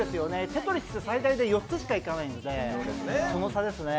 「テトリス」って最大で４つしかいかないので、その差ですね。